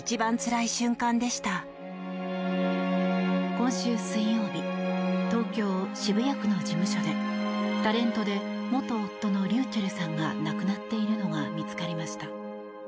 今週水曜日東京・渋谷区の事務所でタレントで元夫のｒｙｕｃｈｅｌｌさんが亡くなっているのが見つかりました。